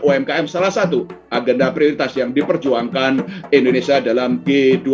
umkm salah satu agenda prioritas yang diperjuangkan indonesia dalam g dua puluh